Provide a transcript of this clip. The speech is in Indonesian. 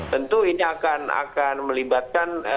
tentu ini akan melibatkan